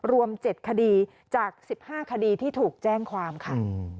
รวม๗คดีจาก๑๕คดีที่ถูกแจ้งความค่ะ